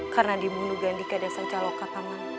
karena dibunuh gandika desa caloka paman